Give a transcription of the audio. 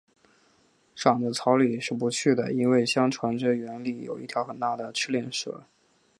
长的草里是不去的，因为相传这园里有一条很大的赤练蛇